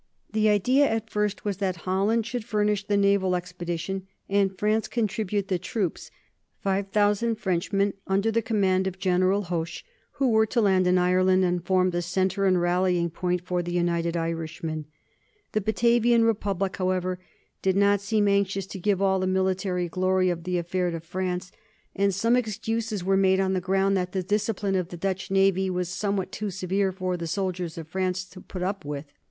The idea at first was that Holland should furnish the naval expedition and France contribute the troops 5000 Frenchmen, under the command of General Hoche, who were to land in Ireland and form the centre and rallying point for the United Irishmen. The Batavian Republic, however, did not seem anxious to give all the military glory of the affair to France, and some excuses were made on the ground that the discipline of the Dutch navy was somewhat too severe for the soldiers of France to put up with.